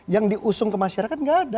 yang diusung ke masyarakat nggak ada